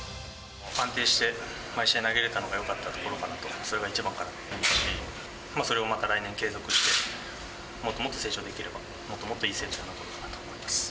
安定して、毎試合投げれたのがよかったところかなと、それが一番かなと思いますし、それをまた来年、継続して、もっともっと成長できれば、もっともっといい成績が残ると思います。